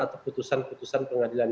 atau putusan putusan pengadilan